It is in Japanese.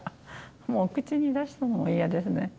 もう口に出すのも嫌ですね。